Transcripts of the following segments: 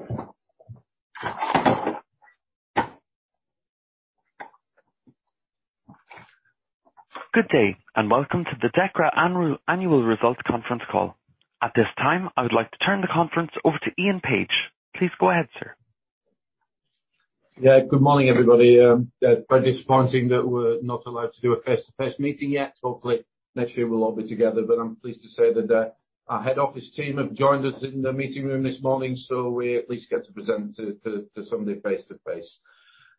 Good day, and welcome to the Dechra Annual Results Conference Call. At this time, I would like to turn the conference over to Ian Page. Please go ahead, sir. Yeah. Good morning, everybody. Very disappointing that we're not allowed to do a face-to-face meeting yet. Hopefully, next year we'll all be together. I'm pleased to say that our head office team have joined us in the meeting room this morning, so we at least get to present to somebody face-to-face.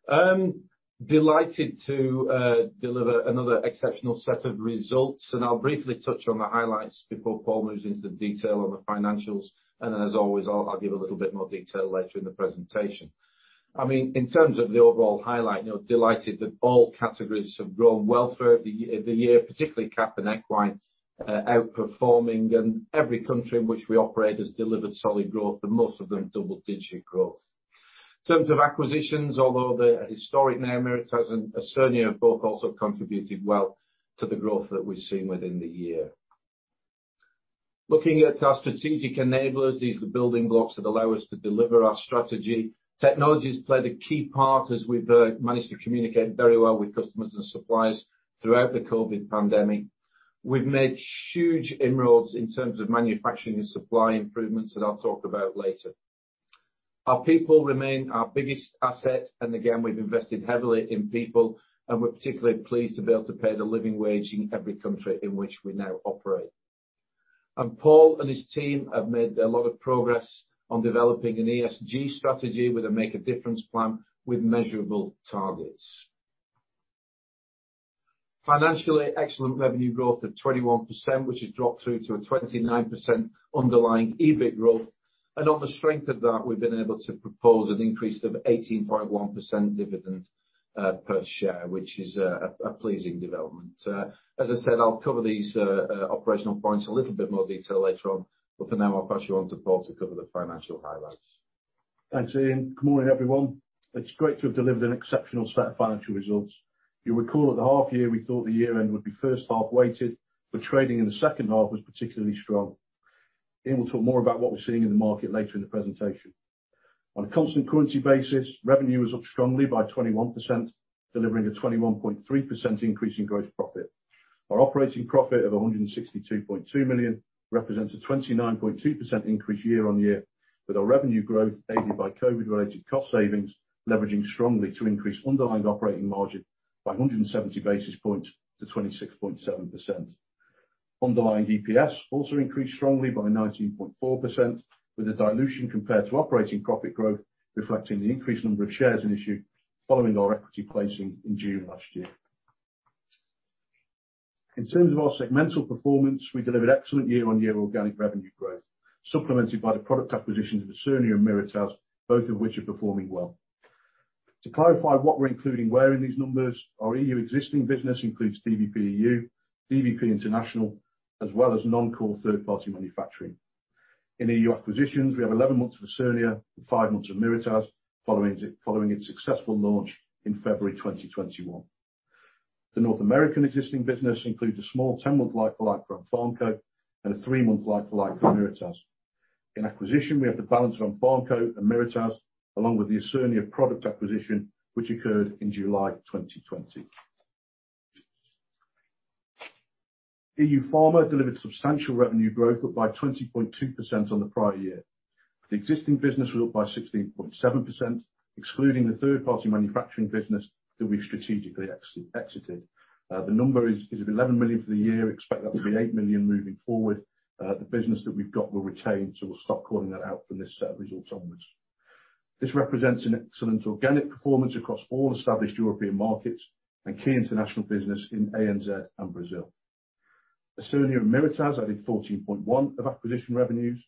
I'm delighted to deliver another exceptional set of results, and I'll briefly touch on the highlights before Paul moves into the detail on the financials. As always, I'll give a little bit more detail later in the presentation. In terms of the overall highlight, delighted that all categories have grown well throughout the year, particularly CAP and equine, outperforming. Every country in which we operate has delivered solid growth, and most of them double-digit growth. In terms of acquisitions, although the historic name Mirataz and Osurnia have both also contributed well to the growth that we've seen within the year. Looking at our strategic enablers, these are the building blocks that allow us to deliver our strategy. Technology has played a key part as we've managed to communicate very well with customers and suppliers throughout the COVID pandemic. We've made huge inroads in terms of manufacturing and supply improvements that I'll talk about later. Our people remain our biggest asset, and again, we've invested heavily in people, and we're particularly pleased to be able to pay the living wage in every country in which we now operate. Paul and his team have made a lot of progress on developing an ESG strategy with a make a difference plan with measurable targets. Financially, excellent revenue growth of 21%, which has dropped through to a 29% underlying EBIT growth. On the strength of that, we've been able to propose an increase of 18.1% dividend per share, which is a pleasing development. As I said, I'll cover these operational points in a little bit more detail later on, but for now, I'll pass you on to Paul to cover the financial highlights. Thanks, Ian. Good morning, everyone. It's great to have delivered an exceptional set of financial results. You'll recall at the half year, we thought the year-end would be first half weighted. Trading in the second half was particularly strong. Ian will talk more about what we're seeing in the market later in the presentation. On a constant currency basis, revenue was up strongly by 21%, delivering a 21.3% increase in gross profit. Our operating profit of 162.2 million represents a 29.2% increase year-over-year, with our revenue growth aided by COVID-related cost savings, leveraging strongly to increase underlying operating margin by 170 basis points to 26.7%. Underlying EPS also increased strongly by 19.4%, with a dilution compared to operating profit growth, reflecting the increased number of shares in issue following our equity placing in June last year. In terms of our segmental performance, we delivered excellent year-on-year organic revenue growth, supplemented by the product acquisitions of Osurnia and Mirataz, both of which are performing well. To clarify what we're including where in these numbers, our EU existing business includes DVP EU, DVP International, as well as non-core third-party manufacturing. In EU acquisitions, we have 11 months of Osurnia and five months of Mirataz following its successful launch in February 2021. The North American existing business includes a small 10-month like-for-like from Ampharmco and a three-month like-for-like from Mirataz. In acquisition, we have the balance from Ampharmco and Mirataz, along with the Osurnia product acquisition, which occurred in July 2020. EU Pharma delivered substantial revenue growth up by 20.2% on the prior year. The existing business was up by 16.7%, excluding the third-party manufacturing business that we've strategically exited. The number is 11 million for the year. Expect that to be 8 million moving forward. The business that we've got will retain, so we'll stop calling that out from this set of results onwards. This represents an excellent organic performance across all established European markets and key international business in ANZ and Brazil. Osurnia and Mirataz added 14.1 of acquisition revenues.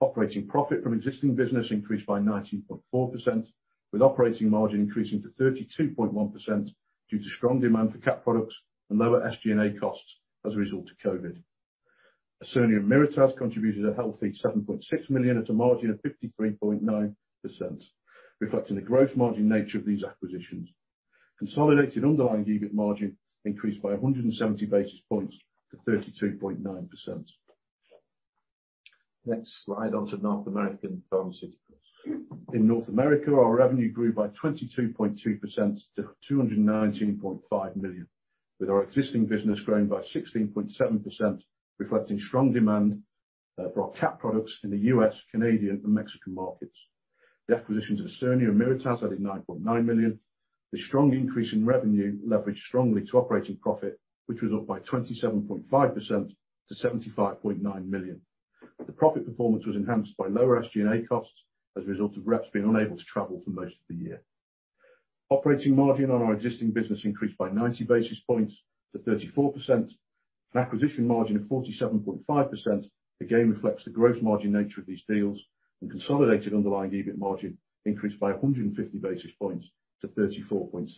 Operating profit from existing business increased by 19.4%, with operating margin increasing to 32.1% due to strong demand for CAP products and lower SG&A costs as a result of COVID. Osurnia and Mirataz contributed a healthy 7.6 million at a margin of 53.9%, reflecting the gross margin nature of these acquisitions. Consolidated underlying EBIT margin increased by 170 basis points to 32.9%. Next slide onto North American Pharmaceuticals. In North America, our revenue grew by 22.2% to 219.5 million, with our existing business growing by 16.7%, reflecting strong demand for our CAP products in the U.S., Canadian, and Mexican markets. The acquisitions of Osurnia and Mirataz added 9.9 million. The strong increase in revenue leveraged strongly to operating profit, which was up by 27.5% to 75.9 million. The profit performance was enhanced by lower SG&A costs as a result of reps being unable to travel for most of the year. Operating margin on our existing business increased by 90 basis points to 34%. An acquisition margin of 47.5%, again reflects the gross margin nature of these deals. Consolidated underlying EBIT margin increased by 150 basis points to 34.6%.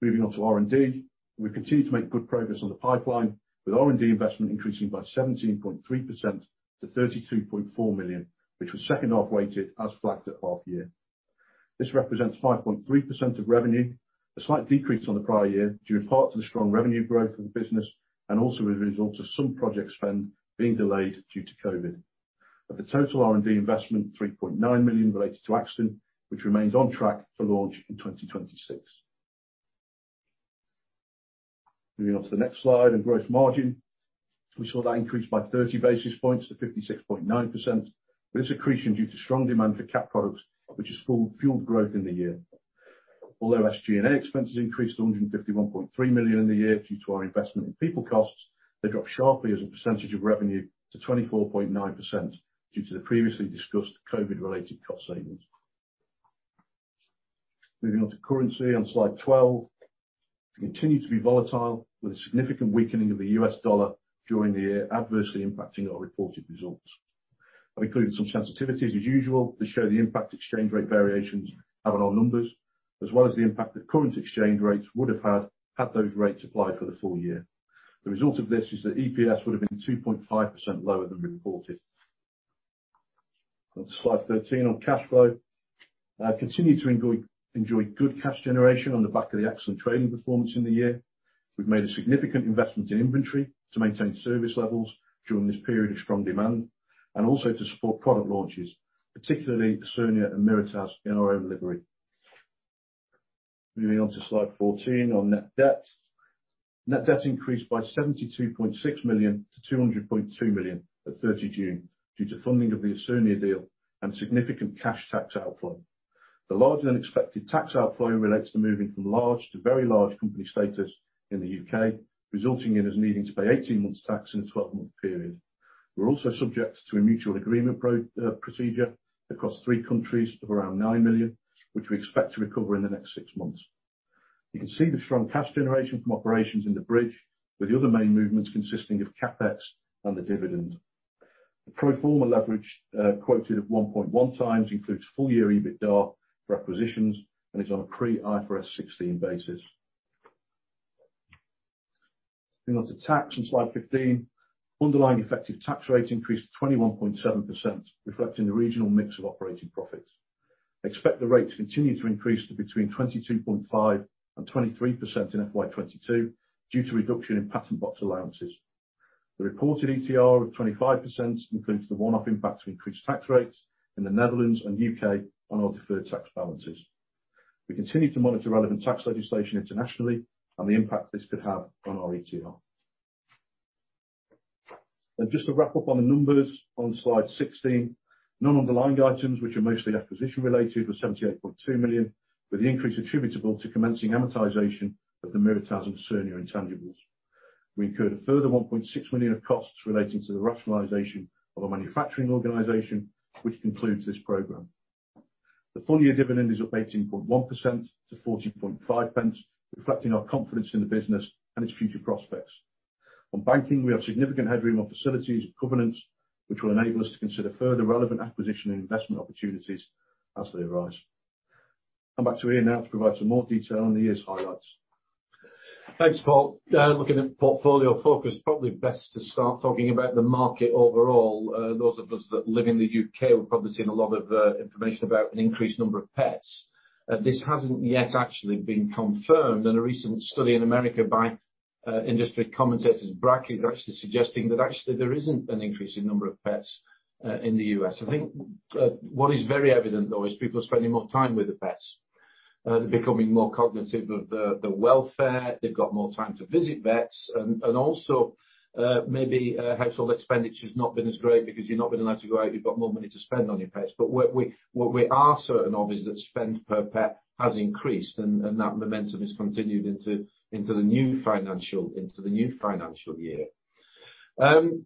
Moving on to R&D. We continue to make good progress on the pipeline, with R&D investment increasing by 17.3% to 32.4 million, which was second half weighted as flagged at half year. This represents 5.3% of revenue, a slight decrease on the prior year due in part to the strong revenue growth of the business, and also as a result of some project spend being delayed due to COVID. Of the total R&D investment, 3.9 million relates to Akston, which remains on track for launch in 2026. Moving on to the next slide, on gross margin. We saw that increase by 30 basis points to 56.9%, with accretion due to strong demand for CAP products, which has fueled growth in the year. Although SG&A expenses increased to 151.3 million in the year due to our investment in people costs, they dropped sharply as a percentage of revenue to 24.9% due to the previously discussed COVID-related cost savings. Moving on to currency on slide 12. It continued to be volatile, with a significant weakening of the U.S. dollar during the year adversely impacting our reported results. I've included some sensitivities as usual to show the impact exchange rate variations have on our numbers, as well as the impact that current exchange rates would have had those rates applied for the full year. The result of this is that EPS would have been 2.5% lower than reported. On to slide 13 on cash flow. We continued to enjoy good cash generation on the back of the excellent trading performance in the year. We've made a significant investment in inventory to maintain service levels during this period of strong demand, and also to support product launches, particularly Osurnia and Mirataz in our own delivery. Moving on to slide 14 on net debt. Net debt increased by 72.6 million-200.2 million at 30 June due to funding of the Osurnia deal and significant cash tax outflow. The larger-than-expected tax outflow relates to moving from large to very large company status in the U.K., resulting in us needing to pay 18 months' tax in a 12-month period. We're also subject to a Mutual Agreement Procedure across three countries of around 9 million, which we expect to recover in the next six months. You can see the strong cash generation from operations in the bridge, with the other main movements consisting of CapEx and the dividend. The pro forma leverage quoted at 1.1 times includes full year EBITDA pre acquisitions and is on a pre IFRS 16 basis. Moving on to tax on slide 15. Underlying effective tax rate increased to 21.7%, reflecting the regional mix of operating profits. Expect the rate to continue to increase to between 22.5%-23% in FY 2022 due to reduction in Patent Box allowances. The reported ETR of 25% includes the one-off impact of increased tax rates in the Netherlands and UK on our deferred tax balances. We continue to monitor relevant tax legislation internationally and the impact this could have on our ETR. Just to wrap up on the numbers on slide 16, non-underlying items, which are mostly acquisition related, were 78.2 million, with the increase attributable to commencing amortization of the Mirataz and Osurnia intangibles. We incurred a further 1.6 million of costs relating to the rationalization of the manufacturing organization, which concludes this program. The full-year dividend is up 18.1% to 0.145, reflecting our confidence in the business and its future prospects. On banking, we have significant headroom on facilities and covenants, which will enable us to consider further relevant acquisition and investment opportunities as they arise. Come back to Ian now to provide some more detail on the year's highlights. Thanks, Paul. Looking at portfolio focus, probably best to start talking about the market overall. Those of us that live in the U.K. will probably have seen a lot of information about an increased number of pets. This hasn't yet actually been confirmed. A recent study in America by industry commentators, Brakke, is actually suggesting that actually there isn't an increase in number of pets in the U.S. I think what is very evident, though, is people are spending more time with their pets. They're becoming more cognitive of their welfare. They've got more time to visit vets. Also maybe household expenditure's not been as great because you've not been allowed to go out, you've got more money to spend on your pets. What we are certain of is that spend per pet has increased. That momentum has continued into the new financial year.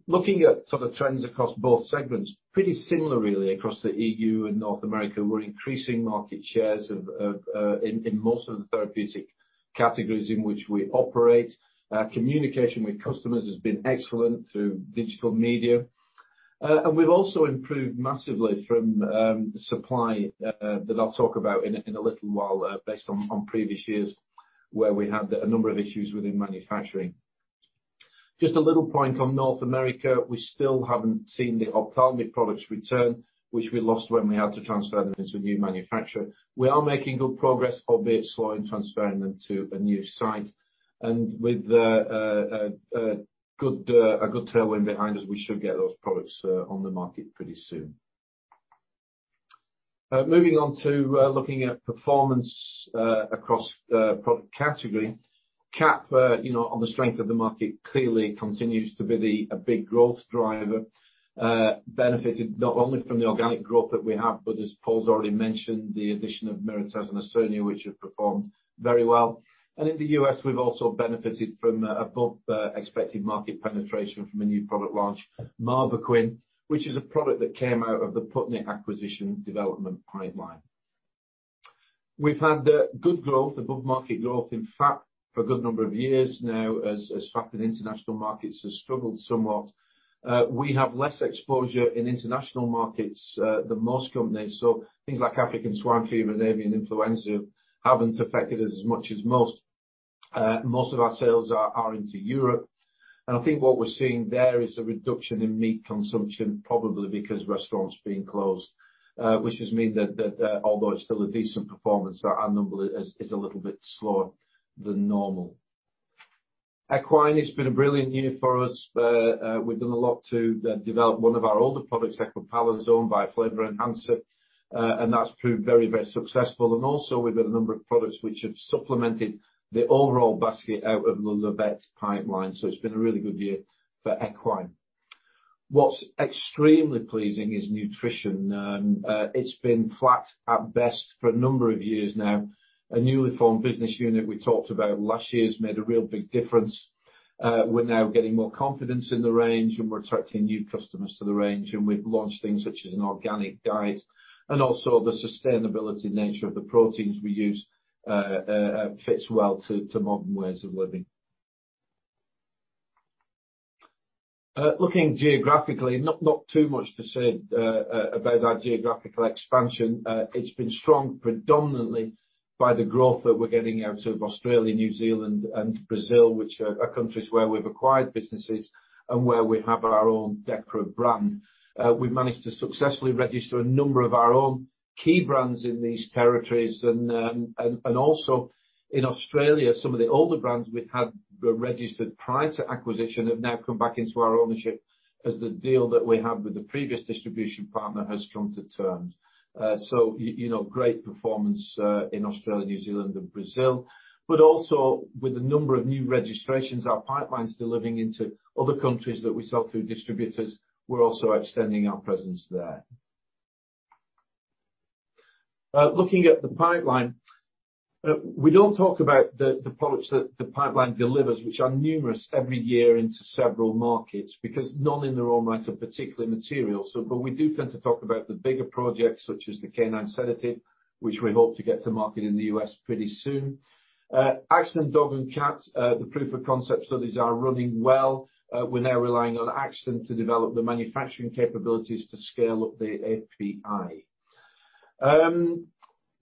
Looking at the trends across both segments, pretty similar really across the EU and North America. We're increasing market shares in most of the therapeutic categories in which we operate. Our communication with customers has been excellent through digital media. We've also improved massively from supply, that I'll talk about in a little while, based on previous years where we had a number of issues within manufacturing. Just a little point on North America, we still haven't seen the ophthalmic products return, which we lost when we had to transfer them into a new manufacturer. We are making good progress, albeit slow, in transferring them to a new site. With a good tailwind behind us, we should get those products on the market pretty soon. Moving on to looking at performance across product category. CAP on the strength of the market clearly continues to be a big growth driver, benefited not only from the organic growth that we have, but as Paul's already mentioned, the addition of Mirataz and Osurnia, which have performed very well. In the U.S., we've also benefited from above expected market penetration from a new product launch, Marboquin, which is a product that came out of the Putney acquisition development pipeline. We've had good growth, above market growth in FAP for a good number of years now, as FAP in international markets has struggled somewhat. We have less exposure in international markets than most companies, so things like African swine fever and avian influenza haven't affected us as much as most. Most of our sales are into Europe, and I think what we're seeing there is a reduction in meat consumption, probably because restaurants being closed. Which has meant that although it's still a decent performance, our number is a little bit slower than normal. Equine, it's been a brilliant year for us. We've done a lot to develop one of our older products, Equipalazone, by a flavor enhancer, and that's proved very, very successful. Also we've got a number of products which have supplemented the overall basket out of the Le Vet pipeline. It's been a really good year for equine. What's extremely pleasing is nutrition. It's been flat at best for a number of years now. A newly formed business unit we talked about last year has made a real big difference. We're now getting more confidence in the range, and we're attracting new customers to the range, and we've launched things such as an organic diet. Also the sustainability nature of the proteins we use fits well to modern ways of living. Looking geographically, not too much to say about our geographical expansion. It's been strong predominantly by the growth that we're getting out of Australia, New Zealand, and Brazil, which are our countries where we've acquired businesses and where we have our own Dechra brand. We've managed to successfully register a number of our own key brands in these territories. Also in Australia, some of the older brands we had were registered prior to acquisition have now come back into our ownership as the deal that we had with the previous distribution partner has come to terms. Great performance in Australia, New Zealand, and Brazil. Also with a number of new registrations, our pipeline's delivering into other countries that we sell through distributors. We're also extending our presence there. Looking at the pipeline, we don't talk about the products that the pipeline delivers, which are numerous every year into several markets, because none in their own right are particularly material. We do tend to talk about the bigger projects such as the canine sedative, which we hope to get to market in the U.S. pretty soon. Akston dog and cat, the proof of concept studies are running well. We're now relying on Akston to develop the manufacturing capabilities to scale up the API.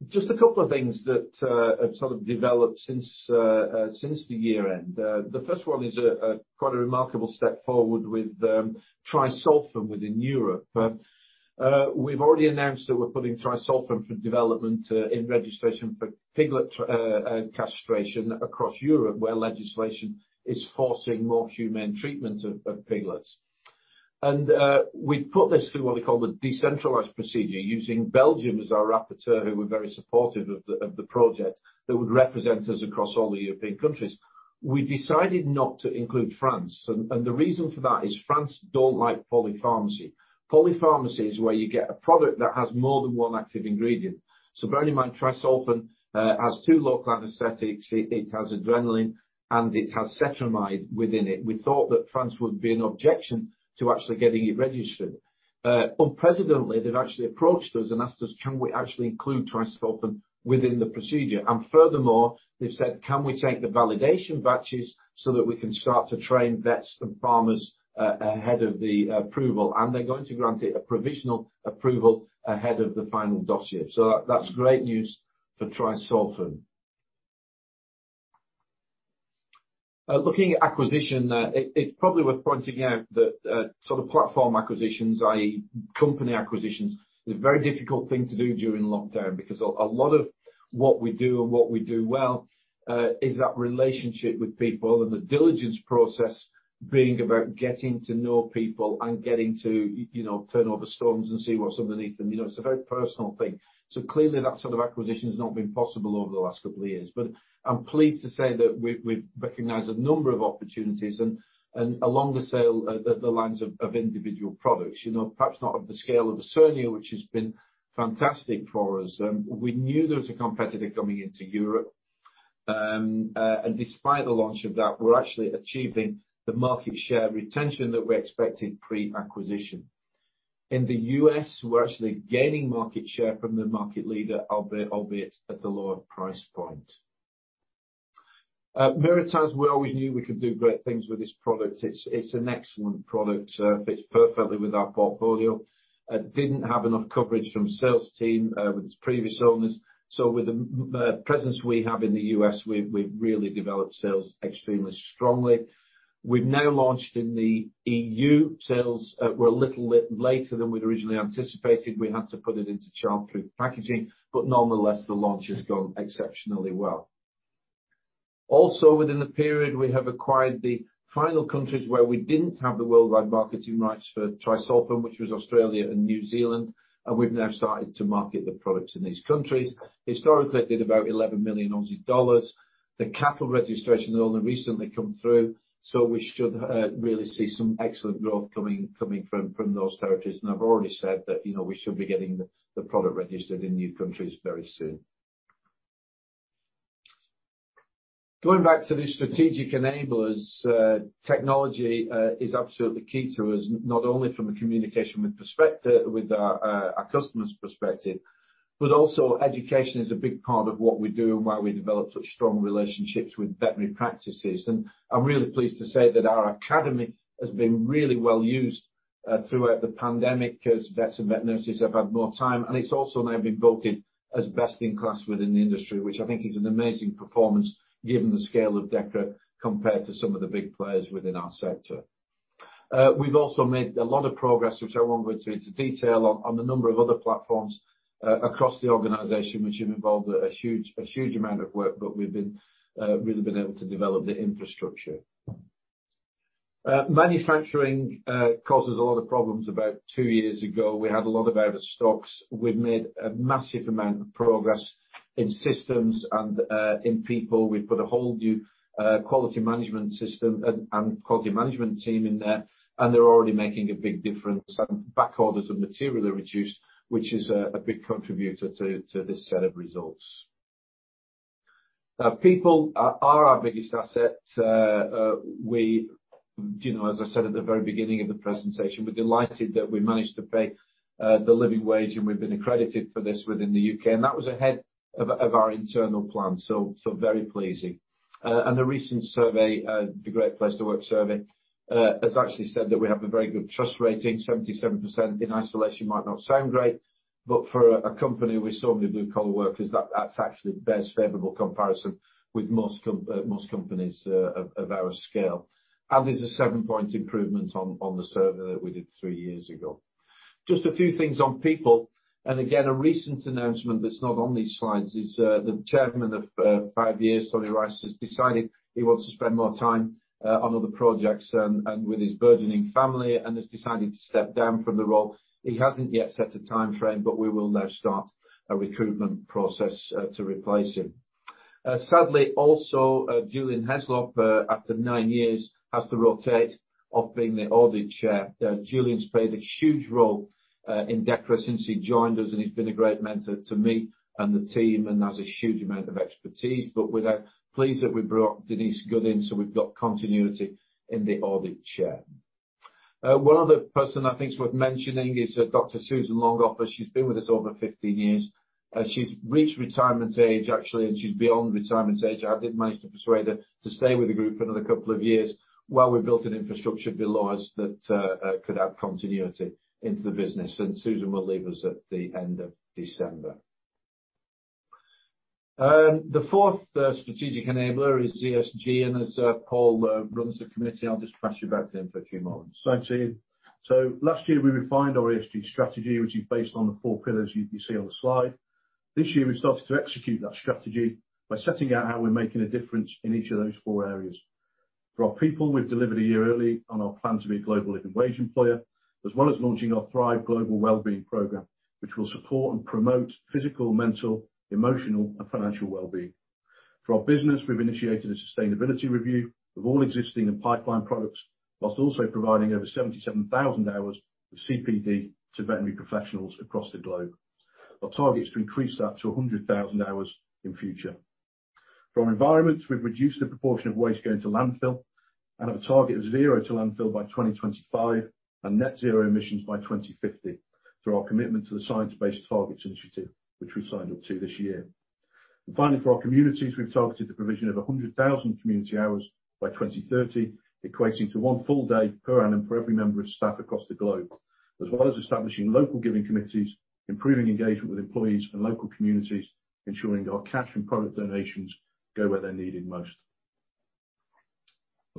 Just a couple of things that have sort of developed since the year-end. The first one is quite a remarkable step forward with Tri-Solfen within Europe. We've already announced that we're putting Tri-Solfen for development in registration for piglet castration across Europe, where legislation is forcing more humane treatment of piglets. We put this through what we call the decentralized procedure, using Belgium as our rapporteur who were very supportive of the project, that would represent us across all the European countries. We decided not to include France, and the reason for that is France don't like polypharmacy. Polypharmacy is where you get a product that has more than one active ingredient. Bearing in mind Tri-Solfen has two local anesthetics, it has adrenaline, and it has cetrimide within it. We thought that France would be an objection to actually getting it registered. Unprecedentedly, they've actually approached us and asked us can we actually include Tri-Solfen within the procedure, and furthermore, they've said, "Can we take the validation batches so that we can start to train vets and farmers ahead of the approval?" They're going to grant it a provisional approval ahead of the final dossier. That's great news for Tri-Solfen. Looking at acquisition, it's probably worth pointing out that sort of platform acquisitions, i.e., company acquisitions, is a very difficult thing to do during lockdown because a lot of what we do and what we do well, is that relationship with people and the diligence process being about getting to know people and getting to turn over stones and see what's underneath them. It's a very personal thing. Clearly that sort of acquisition has not been possible over the last couple of years. I'm pleased to say that we've recognized a number of opportunities and along the sale, the lines of individual products. Perhaps not of the scale of Osurnia, which has been fantastic for us. We knew there was a competitor coming into Europe. Despite the launch of that, we're actually achieving the market share retention that we expected pre-acquisition. In the U.S., we're actually gaining market share from the market leader, albeit at a lower price point. Mirataz, we always knew we could do great things with this product. It's an excellent product, fits perfectly with our portfolio. Didn't have enough coverage from sales team with its previous owners. With the presence we have in the U.S., we've really developed sales extremely strongly. We've now launched in the EU. Sales were a little later than we'd originally anticipated. We had to put it into childproof packaging, but nonetheless, the launch has gone exceptionally well. Also, within the period, we have acquired the final countries where we didn't have the worldwide marketing rights for Tri-Solfen, which was Australia and New Zealand, and we've now started to market the products in these countries. Historically, it did about 11 million Aussie dollars. The capital registration has only recently come through, so we should really see some excellent growth coming from those territories. I've already said that we should be getting the product registered in new countries very soon. Going back to the strategic enablers, technology is absolutely key to us, not only from a communication with our customer's perspective, but also education is a big part of what we do and why we develop such strong relationships with veterinary practices. I'm really pleased to say that our academy has been really well used throughout the pandemic, as vets and vet nurses have had more time, and it's also now been voted as best in class within the industry, which I think is an amazing performance given the scale of Dechra compared to some of the big players within our sector. We've also made a lot of progress, which I won't go into detail on the number of other platforms across the organization, which have involved a huge amount of work. We've really been able to develop the infrastructure. Manufacturing causes a lot of problems. About two years ago, we had a lot of out of stocks. We've made a massive amount of progress in systems and in people. We've put a whole new quality management system and quality management team in there, and they're already making a big difference. Back orders of material are reduced, which is a big contributor to this set of results. People are our biggest asset. As I said at the very beginning of the presentation, we're delighted that we managed to pay the living wage, and we've been accredited for this within the U.K. That was ahead of our internal plan, so very pleasing. A recent survey, the Great Place to Work survey, has actually said that we have a very good trust rating. 77% in isolation might not sound great, but for a company with so many blue-collar workers, that actually bears favorable comparison with most companies of our scale. It's a seven-point improvement on the survey that we did three years ago. Just a few things on people, and again, a recent announcement that's not on these slides is the Chairman of five years, Tony Rice, has decided he wants to spend more time on other projects and with his burgeoning family and has decided to step down from the role. He hasn't yet set a timeframe, but we will now start a recruitment process to replace him. Sadly, also, Julian Heslop, after nine years, has to rotate off being the audit chair. Julian's played a huge role in Dechra since he joined us, and he's been a great mentor to me and the team, and has a huge amount of expertise. We're pleased that we brought Denise Goode in, so we've got continuity in the audit chair. One other person I think is worth mentioning is Dr. Susan Longhofer. She's been with us over 15 years. She's reached retirement age, actually, and she's beyond retirement age. I did manage to persuade her to stay with the group for another couple of years while we built an infrastructure below us that could add continuity into the business, and Susan Longhofer will leave us at the end of December. The fourth strategic enabler is ESG, and as Paul runs the committee, I'll just pass you back to him for a few moments. Thanks, Ian. Last year, we refined our ESG strategy, which is based on the four pillars you see on the slide. This year, we started to execute that strategy by setting out how we're making a difference in each of those four areas. For our people, we've delivered a year early on our plan to be a global living wage employer, as well as launching our Thrive Global wellbeing program, which will support and promote physical, mental, emotional and financial wellbeing. For our business, we've initiated a sustainability review of all existing and pipeline products, while also providing over 77,000 hours of CPD to veterinary professionals across the globe. Our target is to increase that to 100,000 hours in future. For our environment, we've reduced the proportion of waste going to landfill and have a target of zero to landfill by 2025 and net zero emissions by 2050 through our commitment to the Science-Based Targets initiative, which we signed up to this year. Finally, for our communities, we've targeted the provision of 100,000 community hours by 2030, equating to one full day per annum for every member of staff across the globe, as well as establishing local giving committees, improving engagement with employees and local communities, ensuring that our cash and product donations go where they're needed most.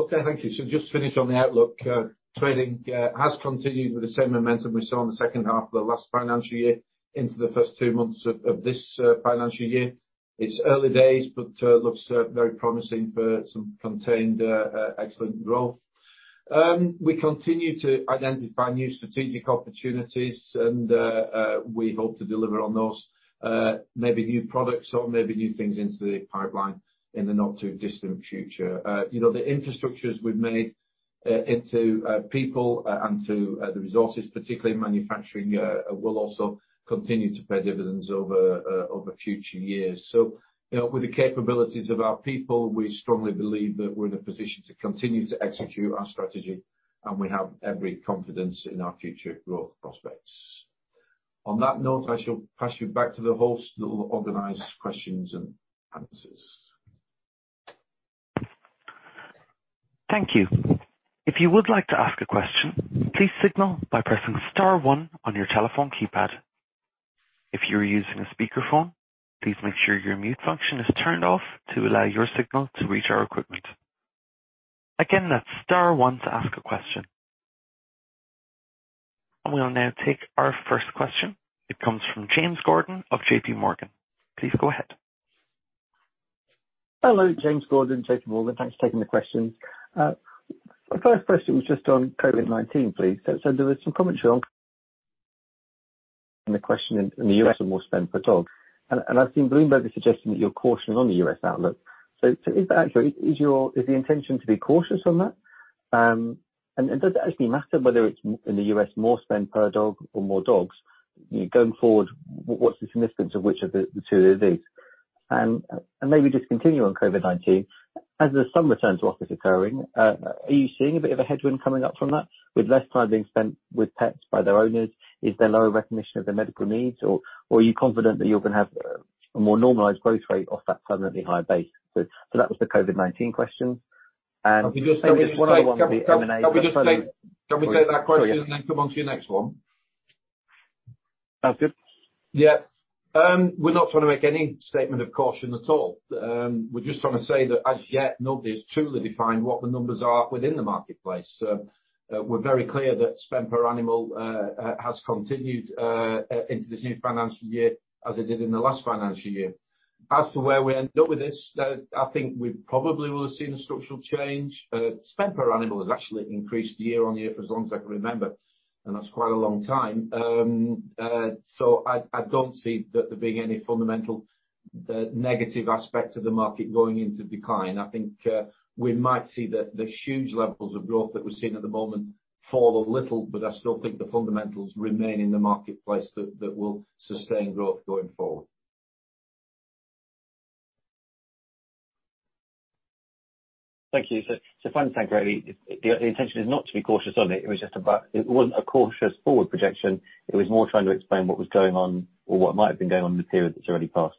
Okay, thank you. Just to finish on the outlook, trading has continued with the same momentum we saw in the second half of the last financial year into the first two months of this financial year. It's early days, but looks very promising for some contained excellent growth. We continue to identify new strategic opportunities, and we hope to deliver on those, maybe new products or maybe new things into the pipeline in the not-too-distant future. The infrastructures we've made into people and to the resources, particularly in manufacturing, will also continue to pay dividends over future years. With the capabilities of our people, we strongly believe that we're in a position to continue to execute our strategy, and we have every confidence in our future growth prospects. On that note, I shall pass you back to the host who will organize questions and answers. Thank you. If you would like to ask a question, please signal by pressing star one on your telephone keypad. If you're using a speakerphone, please make sure your mute function is turned off to allow your signal to reach our equipment. Again, that's star one to ask a question. We will now take our first question. It comes from James Gordon of JPMorgan. Please go ahead. Hello, James Gordon, JPMorgan. Thanks for taking the question. My first question was just on COVID-19, please. There was some comments from and the question in the U.S. on more spend per dog. I've seen Bloomberg suggesting that you're cautious on the U.S. outlook. Is the intention to be cautious on that? Does it actually matter whether it's in the U.S. more spend per dog or more dogs? Going forward, what's the significance of which of the two it is? Maybe just continue on COVID-19. As there's some return to office occurring, are you seeing a bit of a headwind coming up from that with less time being spent with pets by their owners? Is there lower recognition of their medical needs, or are you confident that you're going to have a more normalized growth rate off that permanently high base. That was the COVID-19 question. Can we just take- The other one was the M&A. Can we just take that question and then come on to your next one? Sounds good. Yeah. We're not trying to make any statement of caution at all. We're just trying to say that as yet, nobody's truly defined what the numbers are within the marketplace. We're very clear that spend per one animal has continued into this new financial year as it did in the last financial year. As to where we end up with this, I think we probably will have seen a structural change. Spend per one animal has actually increased year on year for as long as I can remember, and that's quite a long time. I don't see there being any fundamental negative aspect of the market going into decline. I think we might see the huge levels of growth that we're seeing at the moment fall a little, but I still think the fundamentals remain in the marketplace that will sustain growth going forward. Thank you. Final sound, greatly. The intention is not to be cautious on it. It wasn't a cautious forward projection, it was more trying to explain what was going on or what might have been going on in the period that's already passed.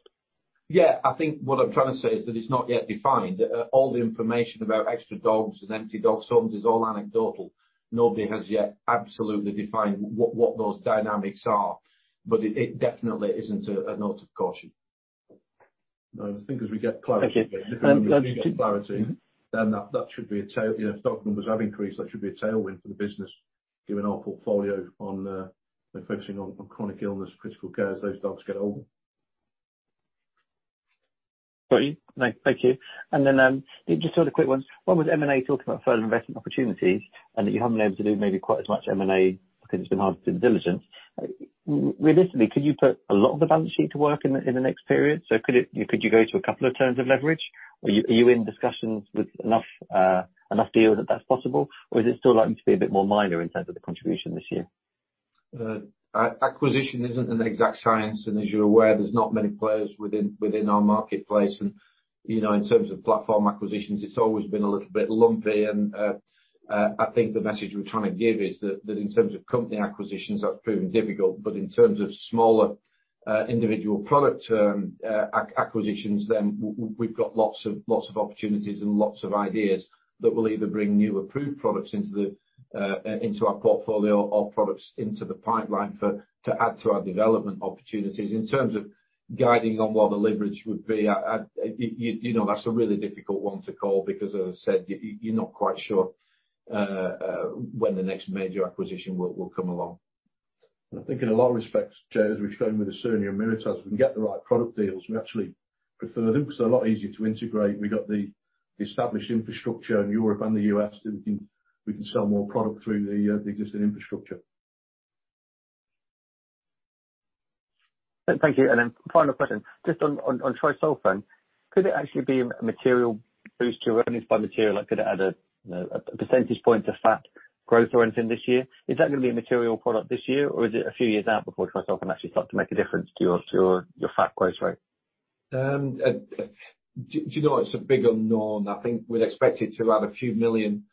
Yeah, I think what I'm trying to say is that it's not yet defined. All the information about extra dogs and empty dog homes is all anecdotal. Nobody has yet absolutely defined what those dynamics are. It definitely isn't a note of caution. No, I think as we get clarity. Thank you. As we get clarity, then if dog numbers have increased, that should be a tailwind for the business, given our portfolio on focusing on chronic illness, critical care, as those dogs get older. Got you. Thank you. Just sort of quick ones. One was M&A, talking about further investment opportunities and that you haven't been able to do maybe quite as much M&A because it's been hard to do the diligence. Realistically, could you put a lot of the balance sheet to work in the next period? Could you go to a couple of turns of leverage? Are you in discussions with enough deals that that's possible? Is it still likely to be a bit more minor in terms of the contribution this year? Acquisition isn't an exact science. As you're aware, there's not many players within our marketplace. In terms of platform acquisitions, it's always been a little bit lumpy. I think the message we're trying to give is that in terms of company acquisitions, that's proven difficult. In terms of smaller individual product term acquisitions, we've got lots of opportunities and lots of ideas that will either bring new approved products into our portfolio or products into the pipeline to add to our development opportunities. In terms of guiding on what the leverage would be, you know that's a really difficult one to call because as I said, you're not quite sure when the next major acquisition will come along. I think in a lot of respects, James, as we've shown with the Osurnia and Mirataz, if we can get the right product deals, we actually prefer them because they're a lot easier to integrate. We got the established infrastructure in Europe and the U.S. that we can sell more product through the existing infrastructure. Thank you. Final question, just on Tri-Solfen. Could it actually be a material boost to earnings by material, could it add a percentage point of EPS growth or anything this year? Is that going to be a material product this year or is it a few years out before Tri-Solfen actually starts to make a difference to your EPS growth rate? Do you know, it's a big unknown. I think we'd expect it to add a few million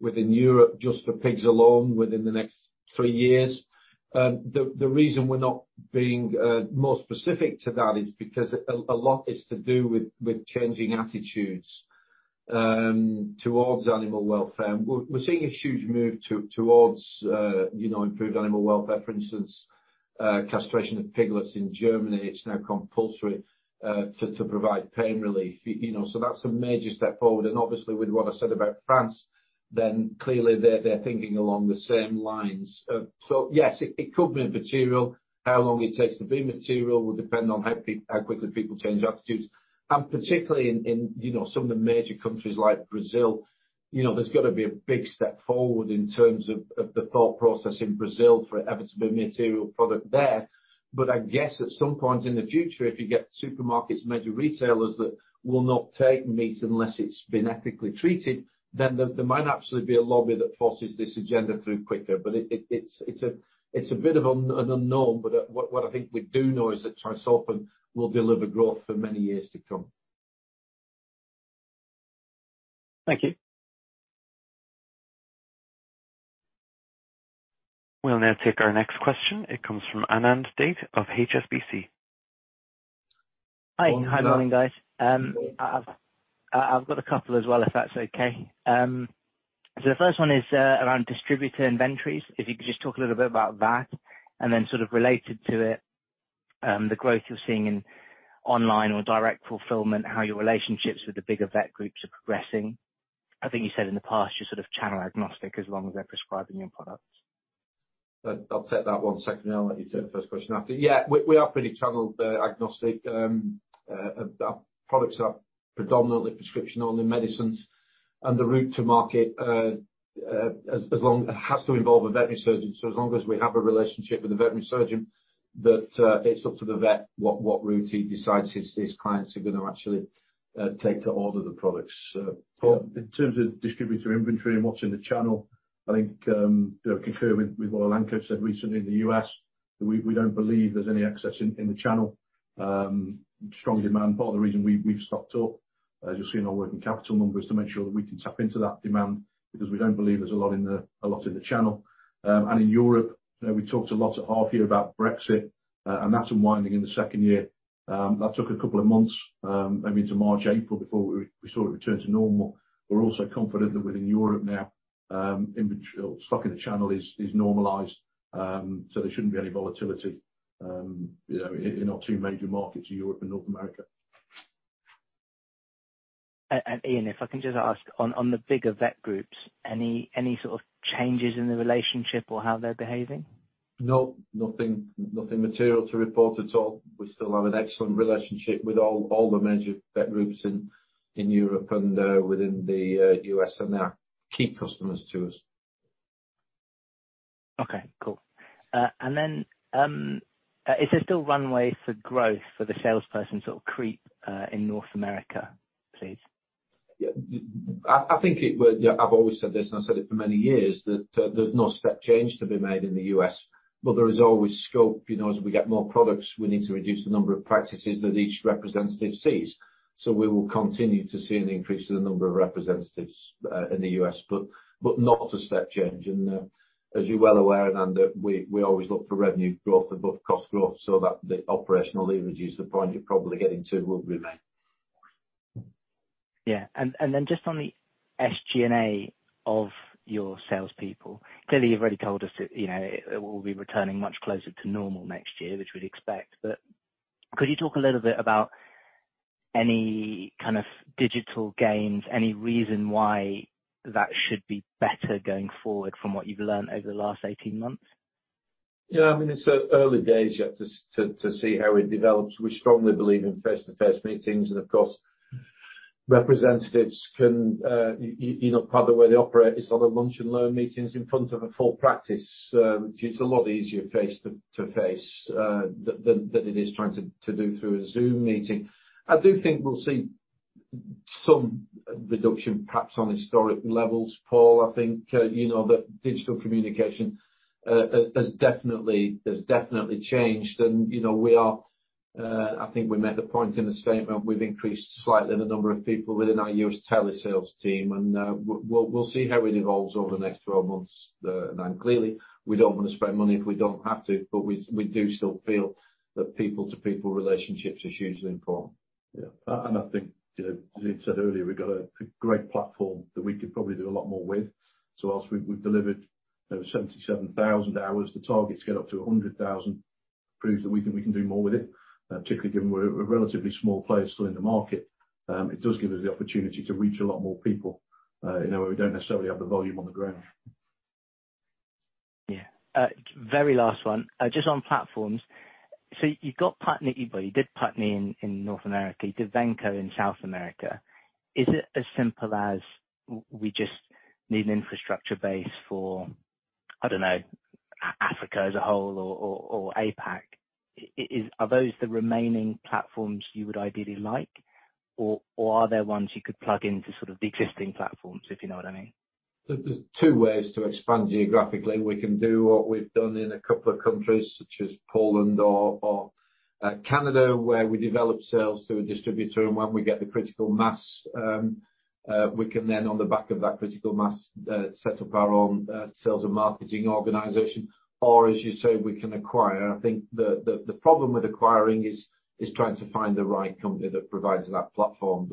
within Europe just for pigs alone within the next three years. The reason we're not being more specific to that is because a lot is to do with changing attitudes towards animal welfare. We're seeing a huge move towards improved animal welfare. For instance, castration of piglets in Germany, it's now compulsory to provide pain relief. That's a major step forward. Obviously with what I said about France, then clearly they're thinking along the same lines. Yes, it could be material. How long it takes to be material will depend on how quickly people change attitudes, and particularly in some of the major countries like Brazil. There's got to be a big step forward in terms of the thought process in Brazil for it ever to be a material product there. I guess at some point in the future, if you get supermarkets and major retailers that will not take meat unless it's been ethically treated, then there might actually be a lobby that forces this agenda through quicker. It's a bit of an unknown. What I think we do know is that Tri-Solfen will deliver growth for many years to come. Thank you. We'll now take our next question. It comes from Anand Date of HSBC. Hi. Welcome. Hi, morning guys. I've got a couple as well, if that's okay. The first one is around distributor inventories. If you could just talk a little bit about that and then sort of related to it, the growth you're seeing in online or direct fulfillment, how your relationships with the bigger vet groups are progressing. I think you said in the past you're sort of channel agnostic as long as they're prescribing your products. I'll take that one second and I'll let you take the first question after. Yeah, we are pretty channel agnostic. Our products are predominantly prescription-only medicines and the route to market has to involve a veterinary surgeon. As long as we have a relationship with a veterinary surgeon, but it's up to the vet what route he decides his clients are going to actually take to order the products. Paul. In terms of distributor inventory and what's in the channel, I think, conferring with what Elanco said recently in the U.S., that we don't believe there's any excess in the channel. Strong demand, part of the reason we've stocked up. As you'll see in our working capital numbers to make sure that we can tap into that demand because we don't believe there's a lot in the channel. In Europe, we talked a lot at half year about Brexit, and that's unwinding in the second year. That took a couple of months, maybe into March, April before we saw it return to normal. We're also confident that within Europe now, stock in the channel is normalized. There shouldn't be any volatility in our two major markets, Europe and North America. Ian, if I can just ask on the bigger vet groups, any sort of changes in the relationship or how they're behaving? No, nothing material to report at all. We still have an excellent relationship with all the major vet groups in Europe and within the U.S. and they are key customers to us. Okay, cool. Is there still runway for growth for the salesperson sort of creep, in North America, please? Yeah. I've always said this, and I've said it for many years, that there's no step change to be made in the U.S., but there is always scope as we get more products, we need to reduce the number of practices that each representative sees. We will continue to see an increase in the number of representatives, in the U.S., but not a step change. As you're well aware, and, we always look for revenue growth above cost growth so that the operational leverage is the point you're probably getting to will remain. Yeah. Just on the SG&A of your salespeople. Clearly, you've already told us that it will be returning much closer to normal next year, which we would expect, but could you talk a little bit about any kind of digital gains, any reason why that should be better going forward from what you have learned over the last 18 months? Yeah, it's early days yet to see how it develops. We strongly believe in face-to-face meetings, representatives part of the way they operate is on a lunch and learn meetings in front of a full practice, which is a lot easier face-to-face than it is trying to do through a Zoom meeting. I do think we'll see some reduction perhaps on historic levels, Paul. I think that digital communication has definitely changed. I think we made the point in the statement, we've increased slightly the number of people within our U.S. telesales team, we'll see how it evolves over the next 12 months. Clearly, we don't want to spend money if we don't have to, we do still feel that people-to-people relationships is hugely important. Yeah. I think, as Ian said earlier, we've got a great platform that we could probably do a lot more with. Whilst we've delivered 77,000 hours, the target to get up to 100,000 proves that we think we can do more with it. Particularly given we're a relatively small player still in the market. It does give us the opportunity to reach a lot more people, in a way we don't necessarily have the volume on the ground. Yeah. Very last one. Just on platforms. You got Putney, well you did Putney in North America, you did Venco in South America. Is it as simple as we just need an infrastructure base for, I don't know, Africa as a whole or APAC? Are those the remaining platforms you would ideally like or are there ones you could plug into sort of the existing platforms, if you know what I mean? There's two ways to expand geographically. We can do what we've done in a couple of countries such as Poland or Canada, where we develop sales through a distributor and when we get the critical mass, we can then on the back of that critical mass, set up our own sales and marketing organization or as you say, we can acquire. I think the problem with acquiring is trying to find the right company that provides that platform.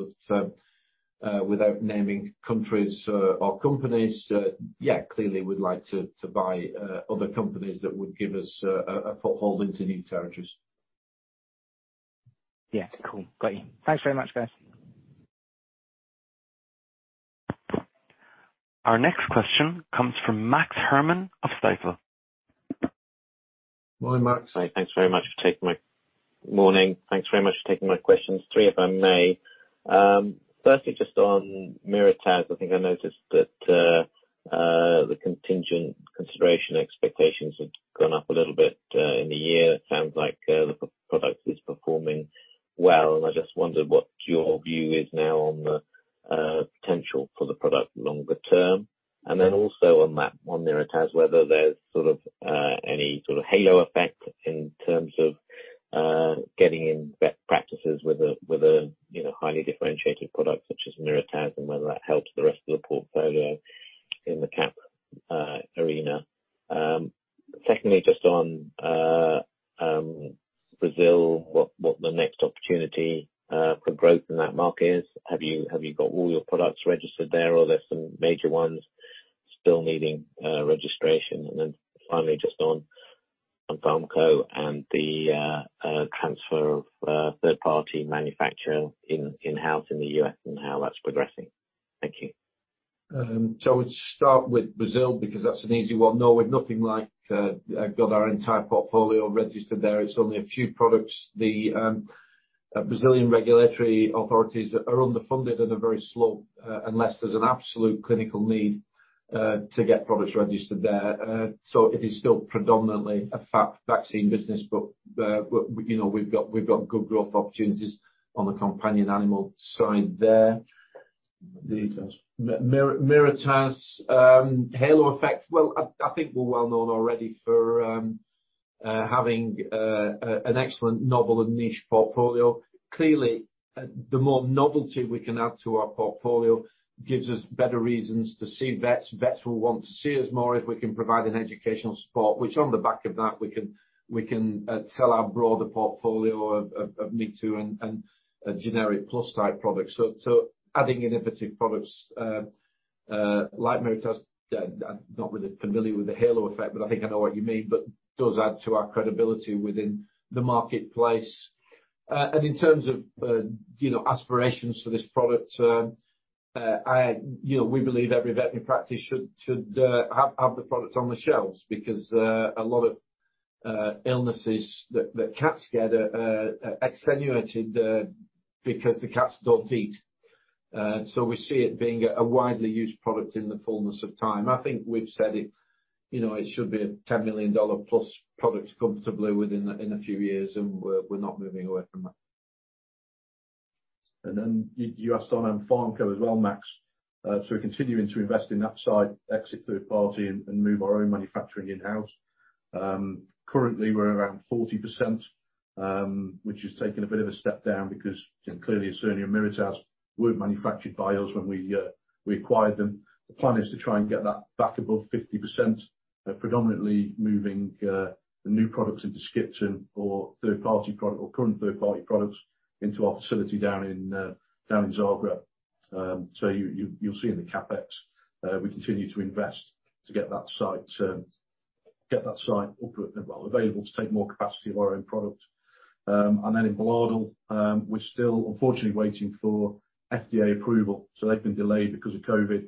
Without naming countries or companies, yeah, clearly we'd like to buy other companies that would give us a foothold into new territories. Cool. Got you. Thanks very much, guys. Our next question comes from Max Herrmann of Stifel. Morning, Max. Morning. Thanks very much for taking my questions. Three, if I may. Firstly, just on Mirataz. I think I noticed that the contingent consideration expectations have gone up a little bit, in the year. It sounds like the product is performing well, and I just wondered what your view is now on the potential for the product longer term. Also on that one, Mirataz, whether there's any sort of halo effect in terms of getting in vet practices with a highly differentiated product such as Mirataz and whether that helps the rest of the portfolio in the CAP arena. Secondly, just on Brazil, what the next opportunity for growth in that market is. Have you got all your products registered there, or are there some major ones still needing registration? Finally, just on Ampharmco and the transfer of third-party manufacturing in-house in the U.S. and how that's progressing. Thank you. I would start with Brazil because that's an easy one. No, we've nothing like got our entire portfolio registered there. It's only a few products. The Brazilian regulatory authorities are underfunded and are very slow, unless there's an absolute clinical need to get products registered there. It is still predominantly a vaccine business, but we've got good growth opportunities on the companion animal side there. Mirataz. Halo effect. Well, I think we're well known already for having an excellent novel and niche portfolio. Clearly, the more novelty we can add to our portfolio gives us better reasons to see vets. Vets will want to see us more if we can provide an educational support, which on the back of that, we can tell our broader portfolio of me-too and generic plus type products. Adding innovative products like Mirataz, I'm not really familiar with the halo effect, but I think I know what you mean, but does add to our credibility within the marketplace. In terms of aspirations for this product, we believe every veterinary practice should have the product on the shelves, because a lot of illnesses that cats get are extenuated because the cats don't eat. We see it being a widely used product in the fullness of time. I think we've said it should be a GBP 10 million plus product comfortably within a few years. We're not moving away from that. You asked on Ampharmco as well, Max. We're continuing to invest in that side, exit third party and move our own manufacturing in-house. Currently we're around 40%, which has taken a bit of a step down because clearly Osurnia and Mirataz weren't manufactured by us when we acquired them. The plan is to try and get that back above 50%, predominantly moving the new products into Skipton or current third-party products into our facility down in Zagreb. You'll see in the CapEx, we continue to invest to get that site up and available to take more capacity of our own product. In Bladel, we're still unfortunately waiting for FDA approval. They've been delayed because of COVID.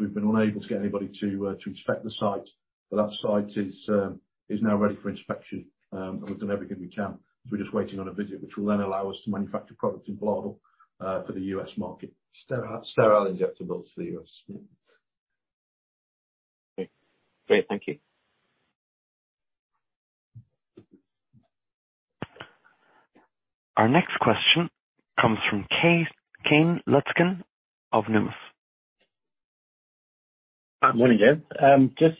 We've been unable to get anybody to inspect the site. That site is now ready for inspection, and we've done everything we can. We're just waiting on a visit, which will then allow us to manufacture product in Bladel for the U.S. market. Steriile. Sterile injectables for the U.S., yeah. Great. Thank you. Our next question comes from Kane Slutzkin of Numis. Morning, James.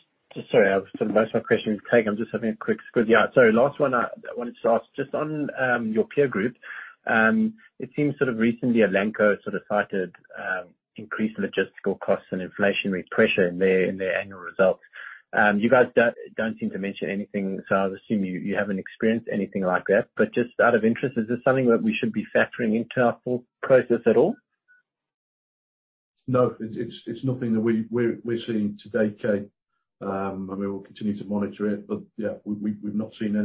Sorry, most of my question was taken. I'm just having a quick squiz. Yeah, sorry. Last one I wanted to ask, just on your peer group. It seems sort of recently Elanco sort of cited increased logistical costs and inflationary pressure in their annual results. You guys don't seem to mention anything. I'll assume you haven't experienced anything like that. Just out of interest, is this something that we should be factoring into our thought process at all? No, it's nothing that we're seeing to date, Kane. We will continue to monitor it. Yeah, we've not seen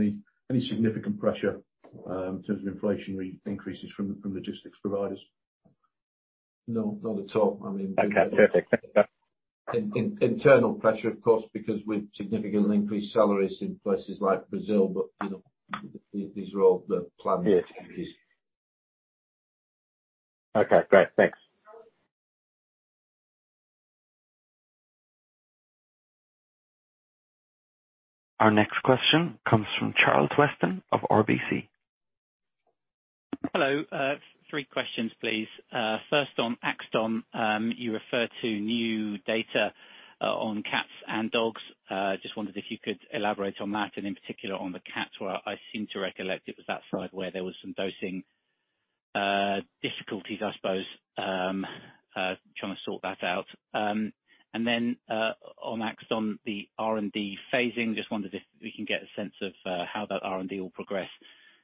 any significant pressure in terms of inflationary increases from logistics providers. No, not at all. Okay, perfect. Internal pressure, of course, because we've significantly increased salaries in places like Brazil, but these are all the planned activities. Okay, great. Thanks. Our next question comes from Charles Weston of RBC. Hello. Three questions, please. First on Akston, you refer to new data on cats and dogs. Just wondered if you could elaborate on that, and in particular on the cats, where I seem to recollect it was that side where there was some dosing difficulties, I suppose. Trying to sort that out. On Akston, the R&D phasing, just wondered if we can get a sense of how that R&D will progress.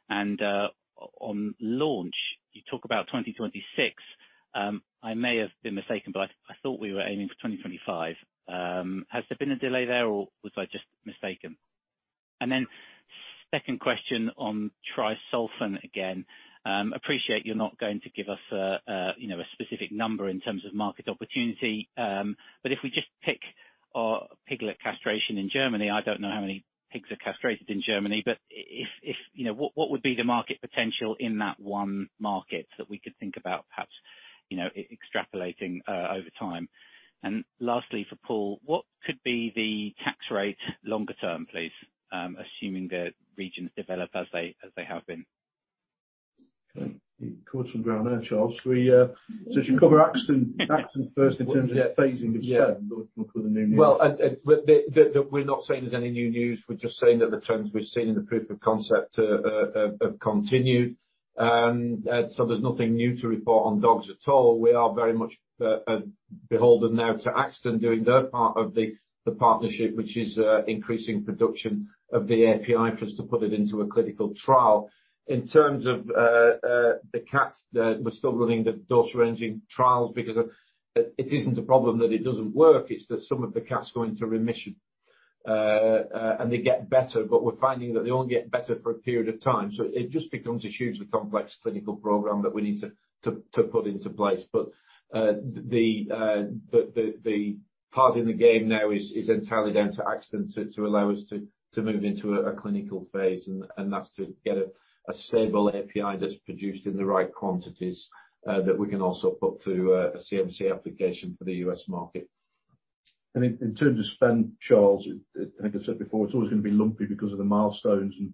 On launch, you talk about 2026. I may have been mistaken, but I thought we were aiming for 2025. Has there been a delay there or was I just mistaken? Second question on Tri-Solfen again. Appreciate you're not going to give us a specific number in terms of market opportunity. If we just pick piglet castration in Germany, I don't know how many pigs are castrated in Germany, but what would be the market potential in that one market that we could think about perhaps extrapolating over time? Lastly for Paul, what could be the tax rate longer term, please, assuming the regions develop as they have been? You caught us on the ground there, Charles. If you cover Akston first in terms of phasing of spend. Well, we're not saying there's any new news. We're just saying that the trends we've seen in the proof of concept have continued. There's nothing new to report on dogs at all. We are very much beholden now to Akston doing their part of the partnership, which is increasing production of the API for us to put it into a clinical trial. In terms of the cats, we're still running the dose-ranging trials because it isn't a problem that it doesn't work, it's that some of the cats go into remission. They get better, but we're finding that they only get better for a period of time. It just becomes a hugely complex clinical program that we need to put into place. The part in the game now is entirely down to Akston to allow us to move into a clinical phase, and that's to get a stable API that's produced in the right quantities that we can also put through a CMC application for the U.S. market. In terms of spend, Charles, I think I said before, it's always going to be lumpy because of the milestones and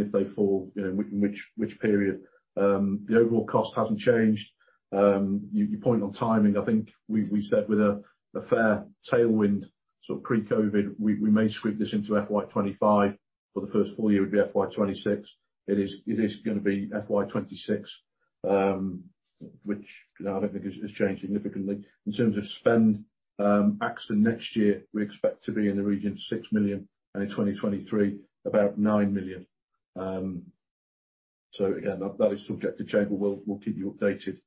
if they fall, in which period. The overall cost hasn't changed. Your point on timing, I think we said with a fair tailwind sort of pre-COVID, we may squeak this into FY 2025, but the first full year would be FY 2026. It is going to be FY 2026, which I don't think has changed significantly. In terms of spend, Akston next year, we expect to be in the region of 6 million, and in 2023, about 9 million. Again, that is subject to change, but we'll keep you updated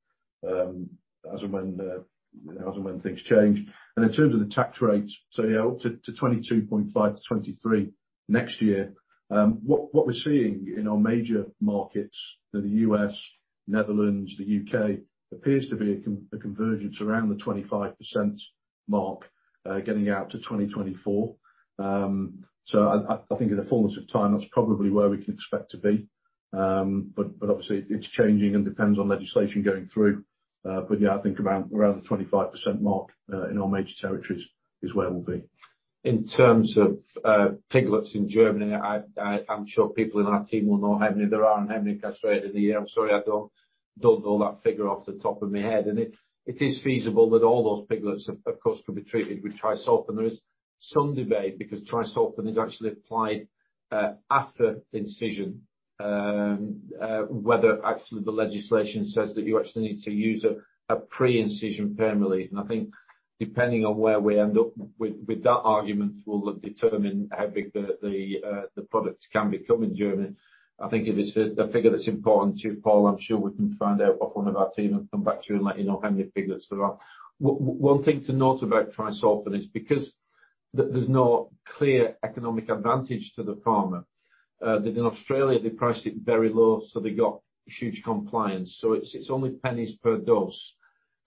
as and when things change. In terms of the tax rate, up to 22.5%-23% next year. What we're seeing in our major markets, the U.S., Netherlands, the U.K., appears to be a convergence around the 25% mark getting out to 2024. I think in the fullness of time, that's probably where we can expect to be. Obviously, it's changing and depends on legislation going through. Yeah, I think around the 25% mark in all major territories is where we'll be. In terms of piglets in Germany, I'm sure people in our team will know how many there are and how many castrated a year. I'm sorry, I don't know that figure off the top of my head. It is feasible that all those piglets, of course, could be treated with Tri-Solfen. There is some debate because Tri-Solfen is actually applied after incision, whether actually the legislation says that you actually need to use a pre-incision pain relief. I think depending on where we end up with that argument will determine how big the product can become in Germany. I think if it's a figure that's important to Paul, I'm sure we can find out off one of our team and come back to you and let you know how many piglets there are. One thing to note about Tri-Solfen is because there's no clear economic advantage to the farmer, that in Australia, they priced it very low, they got huge compliance. It's only pennies per dose.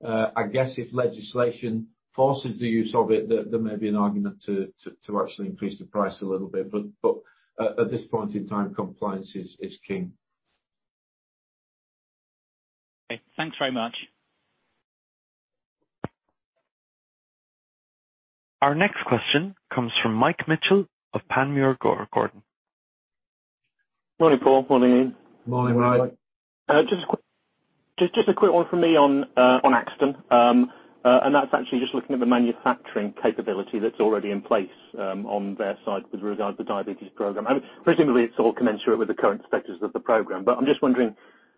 I guess if legislation forces the use of it, there may be an argument to actually increase the price a little bit. At this point in time, compliance is key. Okay, thanks very much. Our next question comes from Mike Mitchell of Panmure Gordon. Morning, Paul. Morning, Ian. Morning, Mike. Just a quick one from me on Akston, that's actually just looking at the manufacturing capability that's already in place on their side with regard to the diabetes program. Presumably, it's all commensurate with the current status of the program. I'm just wondering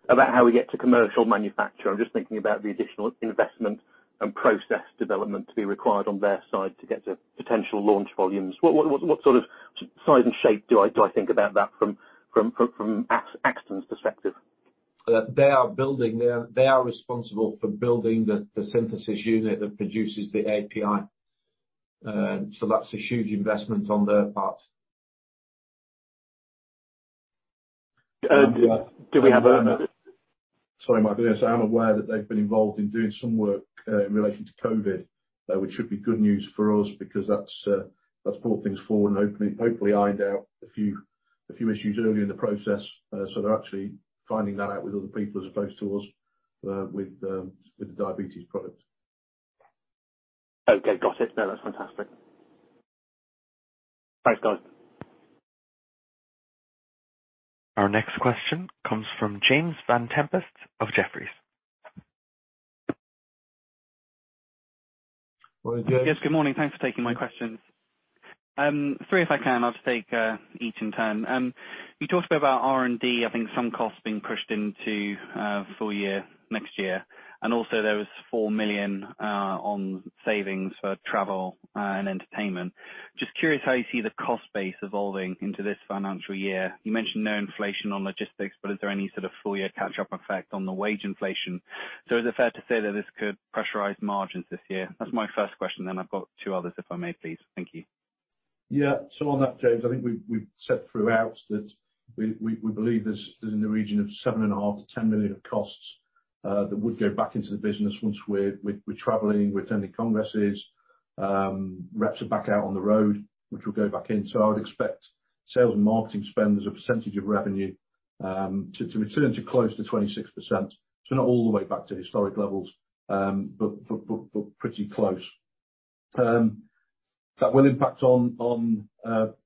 about how we get to commercial manufacture. I'm just thinking about the additional investment and process development to be required on their side to get to potential launch volumes. What sort of size and shape do I think about that from Akston's perspective? They are responsible for building the synthesis unit that produces the API. That's a huge investment on their part. And do we have- Sorry, Mike. I'm aware that they've been involved in doing some work in relation to COVID, which should be good news for us because that's brought things forward and hopefully ironed out a few issues early in the process. They're actually finding that out with other people as opposed to us with the diabetes product. Okay, got it. No, that's fantastic. Thanks, guys. Our next question comes from James Vane-Tempest of Jefferies. Morning, James. Yes, good morning. Thanks for taking my questions. Three if I can. I'll just take each in turn. You talked a bit about R&D, I think some costs being pushed into full year next year, and also there was 4 million on savings for travel and entertainment. Just curious how you see the cost base evolving into this financial year. You mentioned no inflation on logistics, is there any sort of full year catch-up effect on the wage inflation? Is it fair to say that this could pressurize margins this year? That's my first question, I've got two others if I may, please. Thank you. Yeah. On that, James, I think we've said throughout that we believe there's in the region of 7.5 million-10 million of costs that would go back into the business once we're traveling, we're attending congresses, reps are back out on the road, which will go back in. I would expect sales and marketing spend as a percentage of revenue to return to close to 26%. Not all the way back to historic levels, but pretty close. That will impact on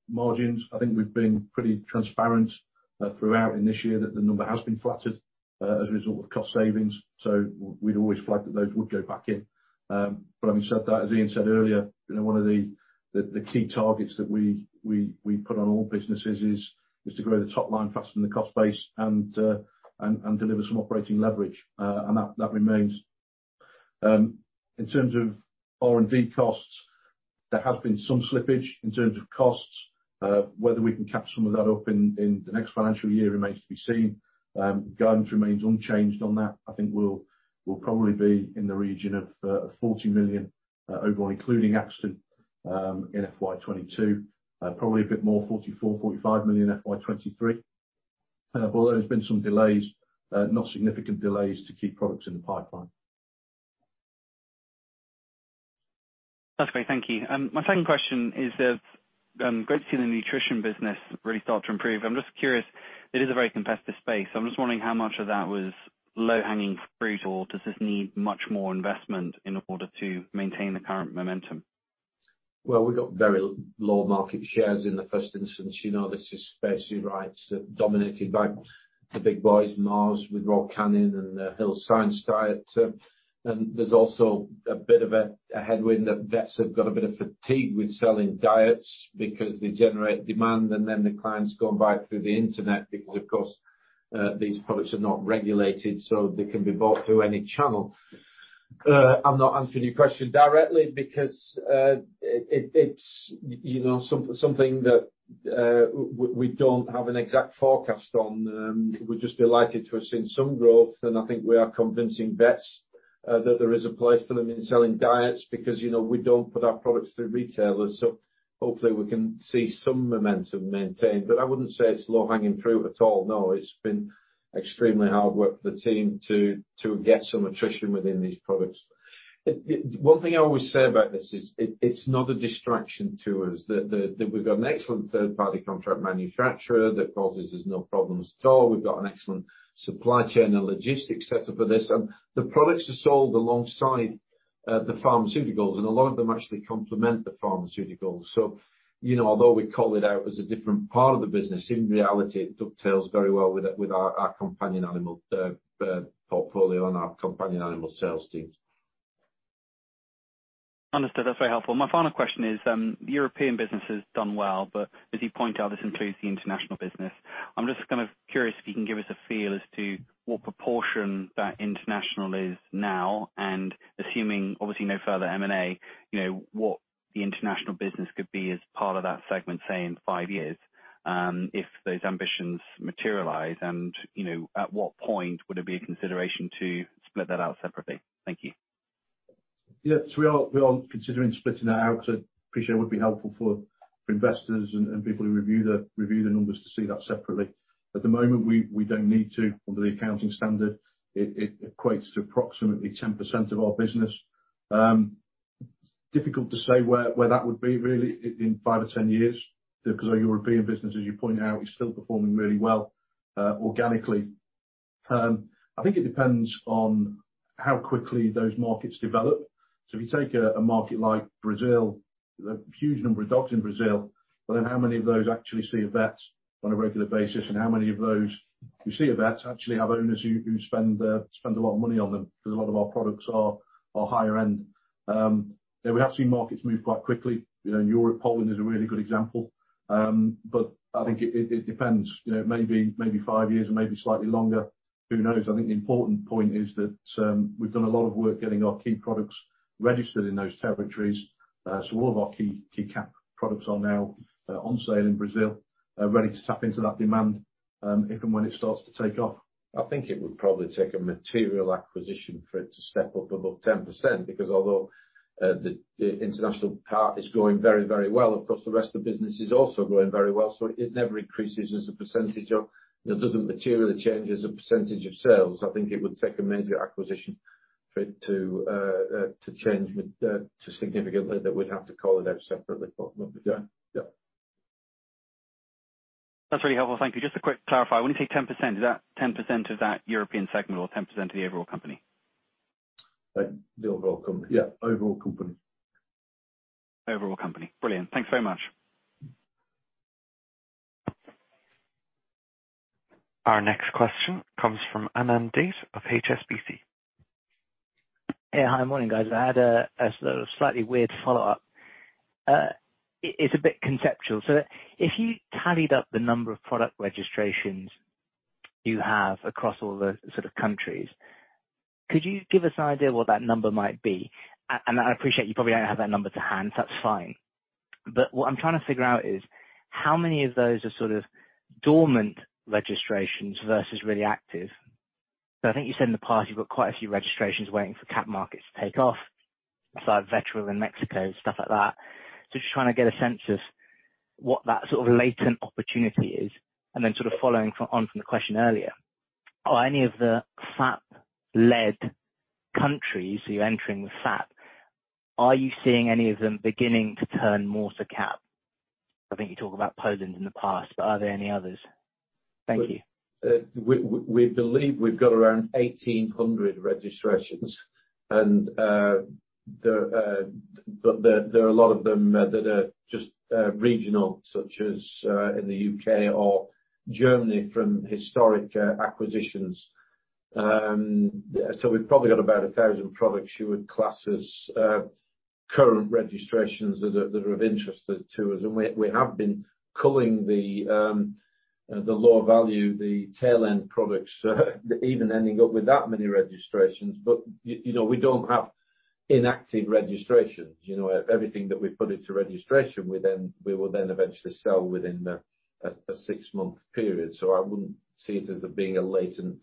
margins. I think we've been pretty transparent throughout in this year that the number has been flattered as a result of cost savings. We'd always flagged that those would go back in. Having said that, as Ian said earlier, one of the key targets that we put on all businesses is to grow the top line faster than the cost base and deliver some operating leverage. That remains. In terms of R&D costs, there has been some slippage in terms of costs. Whether we can catch some of that up in the next financial year remains to be seen. Guidance remains unchanged on that. I think we'll probably be in the region of 40 million overall, including Akston in FY 2022, probably a bit more, 44 million-45 million FY 2023. Although there's been some delays, not significant delays to key products in the pipeline. That's great. Thank you. My second question is. Great to see the nutrition business really start to improve. I'm just curious, it is a very competitive space, so I'm just wondering how much of that was low-hanging fruit, or does this need much more investment in order to maintain the current momentum? Well, we've got very low market shares in the first instance. This is space dominated by the big boys, Mars with Royal Canin and Hill's Science Diet. There's also a bit of a headwind that vets have got a bit of fatigue with selling diets because they generate demand and then the clients go and buy through the internet because, of course, these products are not regulated, so they can be bought through any channel. I'm not answering your question directly because it's something that we don't have an exact forecast on. We're just delighted to have seen some growth, and I think we are convincing vets that there is a place for them in selling diets, because we don't put our products through retailers. Hopefully we can see some momentum maintained. I wouldn't say it's low-hanging fruit at all, no. It's been extremely hard work for the team to get some attrition within these products. One thing I always say about this is, it's not a distraction to us. We've got an excellent third-party contract manufacturer that causes us no problems at all. We've got an excellent supply chain and logistics set up for this. The products are sold alongside the pharmaceuticals, and a lot of them actually complement the pharmaceuticals. Although we call it out as a different part of the business, in reality, it dovetails very well with our companion animal portfolio and our companion animal sales teams. Understood. That's very helpful. My final question is, the European business has done well, but as you point out, this includes the international business. I'm just kind of curious if you can give us a feel as to what proportion that international is now, and assuming obviously no further M&A, what the international business could be as part of that segment, say, in five years, if those ambitions materialize, and at what point would it be a consideration to split that out separately? Thank you. Yes. We are considering splitting that out, so appreciate it would be helpful for investors and people who review the numbers to see that separately. At the moment, we don't need to under the accounting standard. It equates to approximately 10% of our business. Difficult to say where that would be really in five or 10 years because our European business, as you point out, is still performing really well organically. I think it depends on how quickly those markets develop. If you take a market like Brazil, there's a huge number of dogs in Brazil, but then how many of those actually see a vet on a regular basis, and how many of those who see a vet actually have owners who spend a lot of money on them because a lot of our products are higher end. We have seen markets move quite quickly. Poland is a really good example. I think it depends. It may be five years or may be slightly longer. Who knows? I think the important point is that we've done a lot of work getting our key products registered in those territories. All of our key cat products are now on sale in Brazil, ready to tap into that demand if and when it starts to take off. I think it would probably take a material acquisition for it to step up above 10%, because although the international part is growing very, very well, of course the rest of the business is also growing very well, so it never increases. It doesn't materially change as a percentage of sales. I think it would take a major acquisition for it to change significantly that we'd have to call it out separately, but we'll be there. Yeah. That's really helpful. Thank you. Just a quick clarify. When you take 10%, is that 10% of that European segment or 10% of the overall company? The overall company. Yeah. Overall company. Overall company. Brilliant. Thanks very much. Our next question comes from Anand Date of HSBC. Yeah. Hi, morning, guys. I had a slightly weird follow-up. It's a bit conceptual. If you tallied up the number of product registrations you have across all the sort of countries, could you give us an idea what that number might be? I appreciate you probably don't have that number to hand, so that's fine. What I'm trying to figure out is how many of those are sort of dormant registrations versus really active. I think you said in the past you've got quite a few registrations waiting for cat markets to take off, aside Vetoryl in Mexico and stuff like that. Just trying to get a sense of what that sort of latent opportunity is. Following on from the question earlier. Are any of the FAP-led countries you're entering with FAP, are you seeing any of them beginning to turn more to cat? I think you talked about Poland in the past, but are there any others? Thank you. We believe we've got around 1,800 registrations, there are a lot of them that are just regional, such as in the U.K. or Germany from historic acquisitions. We've probably got about 1,000 products you would class as current registrations that are of interest to us. We have been culling the lower value, the tail-end products even ending up with that many registrations. We don't have inactive registrations. Everything that we put into registration, we will then eventually sell within a six-month period. I wouldn't see it as being a latent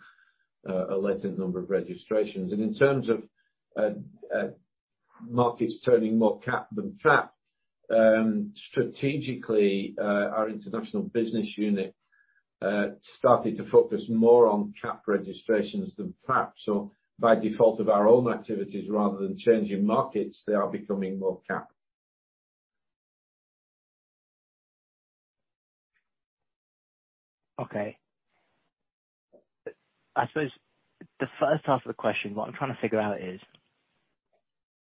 number of registrations. In terms of markets turning more CAP than FAP, strategically, our international business unit Started to focus more on CAP registrations than FAP. By default of our own activities, rather than changing markets, they are becoming more CAP. Okay. I suppose the first half of the question, what I'm trying to figure out is,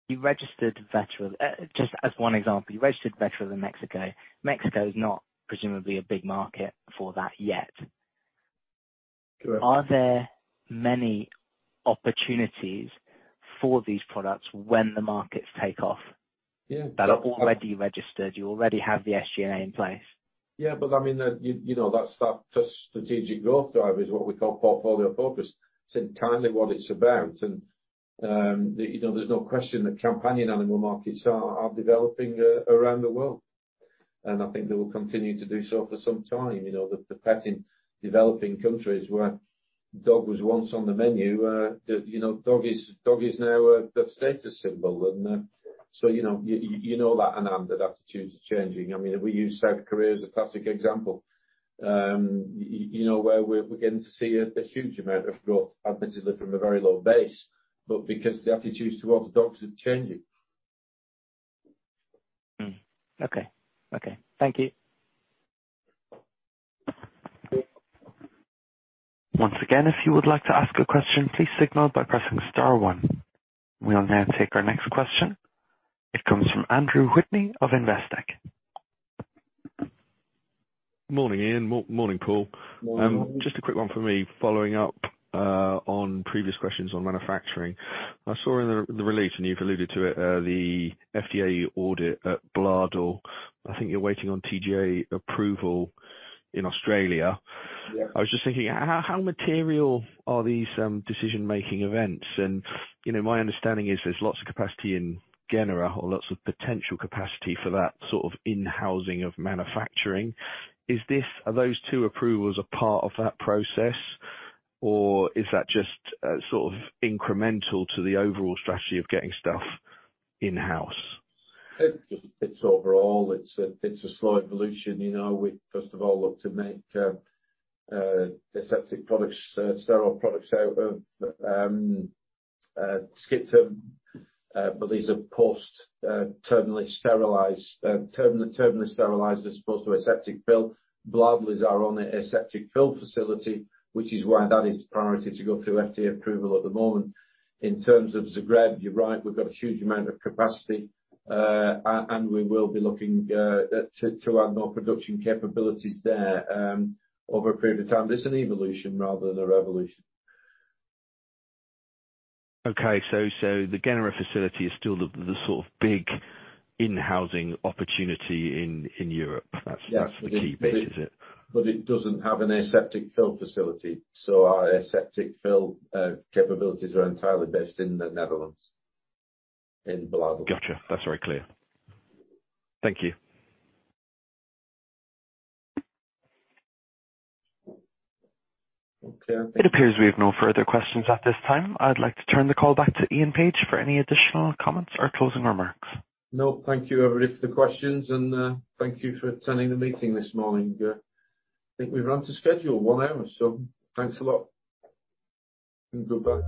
just as one example, you registered Vetoryl in Mexico. Mexico is not presumably a big market for that yet. Correct. Are there many opportunities for these products when the markets take off? Yeah that are already registered, you already have the SG in place? Yeah, that strategic growth driver is what we call portfolio focus. It's entirely what it's about. There's no question that companion animal markets are developing around the world. I think they will continue to do so for some time. The pet in developing countries where dog was once on the menu, dog is now a status symbol. You know that, Anand, that attitudes are changing. We use South Korea as a classic example, where we're beginning to see a huge amount of growth, admittedly from a very low base, because the attitudes towards dogs are changing. Okay. Thank you. Once again if you would like to ask a question, please signal by pressing star one. We will now take our next question. It comes from Andrew Whitney of Investec. Morning, Ian. Morning, Paul. Morning. Just a quick one from me following up on previous questions on manufacturing. I saw in the release, and you've alluded to it, the FDA audit at Bladel. I think you're waiting on TGA approval in Australia. Yeah. I was just thinking, how material are these decision-making events? My understanding is there's lots of capacity in Genera or lots of potential capacity for that sort of in-housing of manufacturing. Are those two approvals a part of that process, or is that just sort of incremental to the overall strategy of getting stuff in-house? It's overall. It's a slow evolution. We first of all look to make aseptic products, sterile products out of Skipton. These are terminally sterilized as opposed to aseptic fill. Bladel is our only aseptic fill facility, which is why that is priority to go through FDA approval at the moment. In terms of Zagreb, you're right, we've got a huge amount of capacity, and we will be looking to add more production capabilities there over a period of time. It's an evolution rather than a revolution. The Genera facility is still the sort of big in-housing opportunity in Europe. Yeah. That's the key piece, is it? It doesn't have an aseptic fill facility. Our aseptic fill capabilities are entirely based in the Netherlands, in Bladel. Got you. That's very clear. Thank you. Okay. It appears we have no further questions at this time. I'd like to turn the call back to Ian Page for any additional comments or closing remarks. Thank you, everybody, for the questions, and thank you for attending the meeting this morning. I think we ran to schedule, one hour. Thanks a lot, and goodbye.